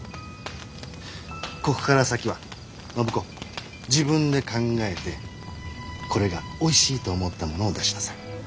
ここから先は暢子自分で考えてこれがおいしいと思ったものを出しなさい。